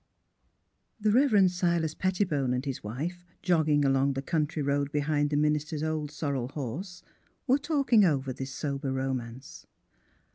The Rev. Silas Pettibone and hi^ wife, jogging along the country road behind the minister's old sorrel horse, were talking over this sober romance.